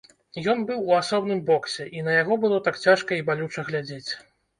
Ён быў у асобным боксе, і на яго было так цяжка і балюча глядзець.